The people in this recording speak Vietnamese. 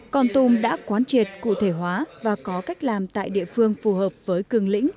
con tum đã quán triệt cụ thể hóa và có cách làm tại địa phương phù hợp với cường lĩnh